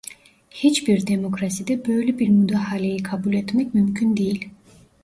Hiçbir demokraside böyle bir müdahaleyi kabul etmek mümkün değil.